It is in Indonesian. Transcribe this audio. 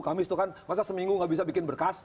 kamis itu kan masa seminggu nggak bisa bikin berkas